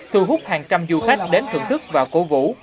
thu hút hàng trăm du khách đến thưởng thức và cố vũ